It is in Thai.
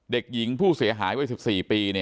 เด็กหญิงผู้เสียหายวัย๑๔ปี